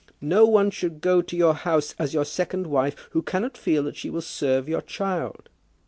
No one should go to your house as your second wife who cannot feel that she will serve your child.